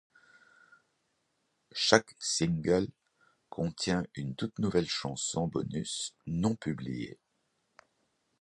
Chaque single contient une toute nouvelle chanson bonus non publiée.